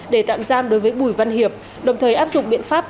để tạm giam đối với bùi văn hiệp đồng thời áp dụng biện pháp